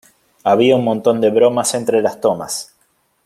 Había un montón de bromas entre las tomas.